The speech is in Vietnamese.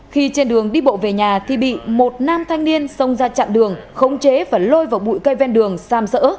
khi trên đường đi bộ về nhà thì bị một nam thanh niên xông ra chặn đường khống chế và lôi vào bụi cây ven đường xam sỡ